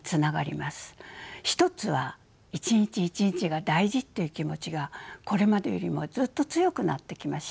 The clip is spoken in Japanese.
一つは１日１日が大事という気持ちがこれまでよりもずっと強くなってきました。